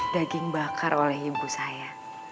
daging bakar oleh ibu saya